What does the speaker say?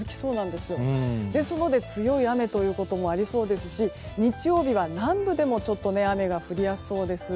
ですので、強い雨ということもありそうですし日曜日は南部でもちょっと雨が降りやすそうです。